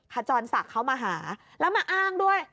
ขจรศักดิ์เขามาหาแล้วมาอ้างด้วย